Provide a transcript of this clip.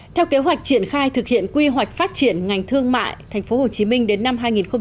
theo kế hoạch triển khai thực hiện quy hoạch phát triển ngành thương mại tp hcm đến năm hai nghìn ba mươi